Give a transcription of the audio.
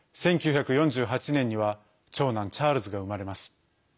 １９４８年には長男チャールズが生まれます。